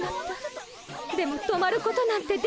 でも止まることなんてできない。